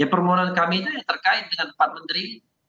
permohonan kami itu yang terkait dengan empat menteri